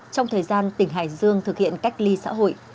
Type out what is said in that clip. trong thời gian tỉnh hải dương thực hiện cách ly xã hội